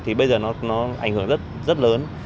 thì bây giờ nó ảnh hưởng rất lớn